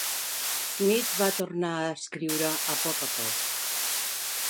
Smith va tornar a escriure a poc a poc.